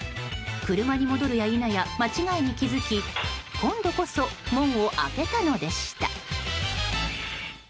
車に戻るや否や間違いに気づき今度こそ門を開けたのでした。